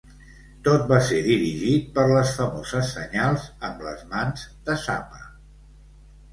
Tot va ser dirigit per les famoses senyals amb les mans de Zappa.